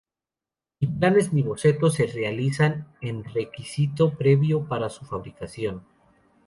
Ni planes ni bocetos se realizan en requisito previo para su fabricación.